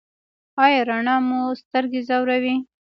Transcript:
ایا رڼا مو سترګې ځوروي؟